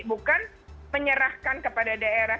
bukan menyerahkan kepada daerah